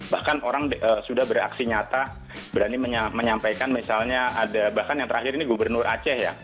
bahkan orang sudah beraksi nyata berani menyampaikan misalnya ada bahkan yang terakhir ini gubernur aceh ya